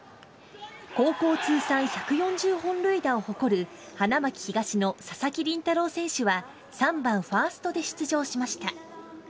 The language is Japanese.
高校通算１４０本塁打を誇る花巻東の佐々木麟太郎選手は、３番ファーストで出場しました。